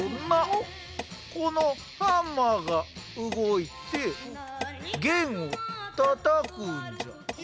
このハンマーが動いて弦をたたくんじゃよ。